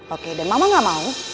oke dan mama gak mau